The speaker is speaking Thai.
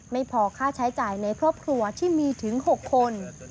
ไม่พอค่าใช้จ่ายในครอบครัวที่มีถึง๖คน